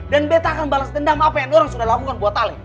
dan beta akan balas dendam apa yang dorang sudah lakukan buat ale